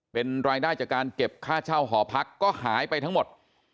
เป็นรายได้จากการเก็บค่าเช่าหอพักก็หายไปทั้งหมด